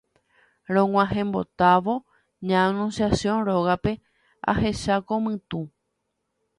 Rog̃uahẽmbotávo ña Anunciación rógape ahecháko mytũ